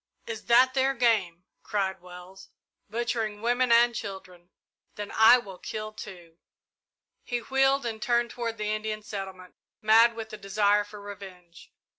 "Is that their game?" cried Wells; "butchering women and children! Then I will kill, too!" He wheeled and turned toward the Indian settlement, mad with the desire for revenge.